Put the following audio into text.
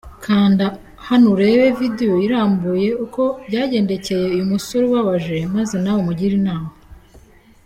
Kanda hano Urebe Video irambuye uko byagendekeye uyu musore ubabaje maze nawe umugire inama.